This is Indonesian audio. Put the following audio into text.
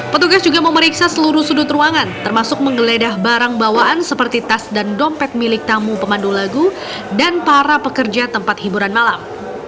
petugas juga memeriksa seluruh sudut ruangan termasuk menggeledah barang bawaan seperti tas dan dompet milik tamu pemandu lagu dan para pekerja tempat hiburan malam